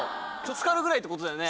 つかるくらいってことだよね。